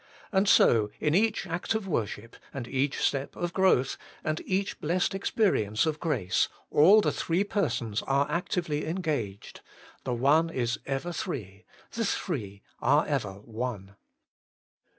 And so in each act of worship, and each step of growth, and each blessed experience of grace, all the Three Persons are actively engaged : the One is ever Three, the Threo are ever One.